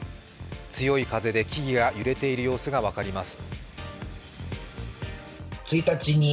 強い風で木々が揺れている様子が分かります。